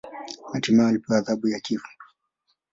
Hatimaye alipewa adhabu ya kifo.